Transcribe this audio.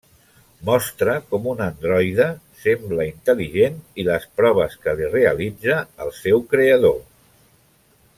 Mostra com un androide sembla intel·ligent i les proves que li realitza el seu creador.